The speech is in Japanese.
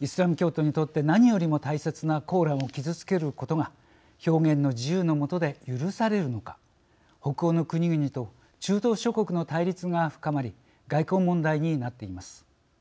イスラム教徒にとって何よりも大切なコーランを傷づけることが表現の自由のもとで許されるのか北欧の国々と中東諸国の対立が深まり外交問題になっています。